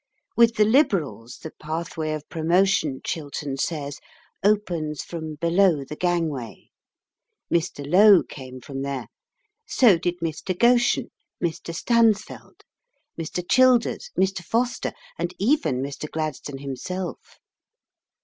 With the Liberals the pathway of promotion, Chiltern says, opens from below the gangway. Mr. Lowe came from there, so did Mr Goschen, Mr. Stansfeld, Mr. Childers, Mr. Foster, and even Mr. Gladstone himself.